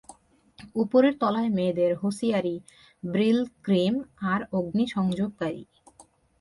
উপরের তলায় মেয়েদের হোসিয়ারি ব্রিলক্রিম, আর অগ্নিসংযোগকারী।